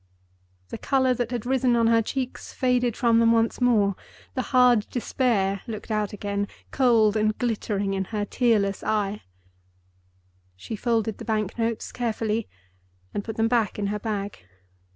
The color that had risen on her cheeks faded from them once more. The hard despair looked out again, cold and glittering, in her tearless eyes. She folded the banknotes carefully, and put them back in her bag.